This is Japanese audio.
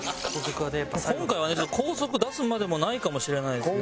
今回は高速出すまでもないかもしれないですね。